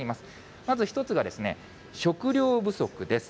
まず１つがですね、食料不足です。